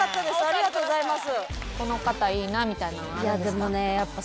ありがとうございます。